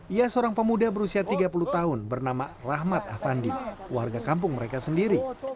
ia seorang pemuda berusia tiga puluh tahun bernama rahmat afandi warga kampung mereka sendiri